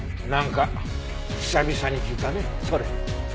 なんか久々に聞いたねそれ。